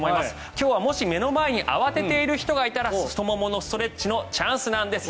今日は、もし目の前に慌てている人がいたら太もものストレッチのチャンスなんです。